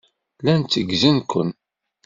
Llan tteggzen-ken.